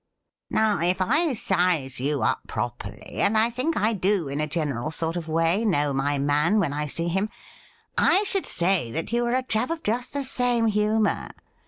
Now, if I size you up properly — and I think I do in a general sort of way know my man when I see him— I should say that you were a chap of just the same humour.